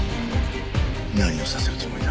何をさせるつもりだ？